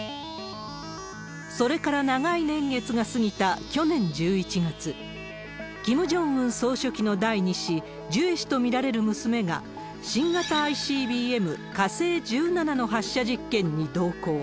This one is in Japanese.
それから長い年月が過ぎた去年１１月、キム・ジョンウン総書記の第２子、ジュエ氏と見られる娘が、新型ＩＣＢＭ、火星１７の発射実験に同行。